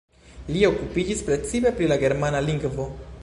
Li okupiĝis precipe pri la germana lingvo.